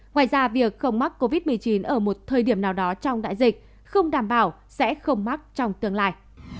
ngoài ra việc không mắc covid một mươi chín ở một thời điểm nào đó trong đại dịch không đảm bảo sẽ không mắc trong tương lai